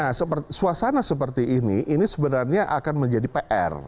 nah suasana seperti ini ini sebenarnya akan menjadi pr